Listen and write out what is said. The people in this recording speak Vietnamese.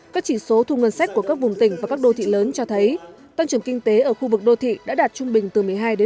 các chỉ số thu ngân sách của các vùng tỉnh và các đô thị lớn cho thấy tăng trưởng kinh tế ở khu vực đô thị đã đạt trung bình từ một mươi hai một mươi